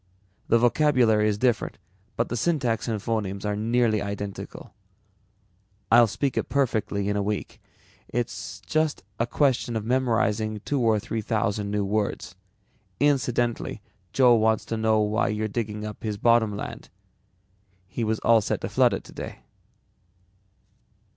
The vocabulary is different but the syntax and phonemes are nearly identical. I'll speak it perfectly in a week. It's just a question of memorizing two or three thousand new words. Incidentally, Joe wants to know why you're digging up his bottom land. He was all set to flood it today."